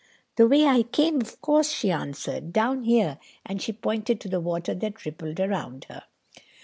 "The way I came, of course," she answered, "down here," and she pointed to the water that rippled around her.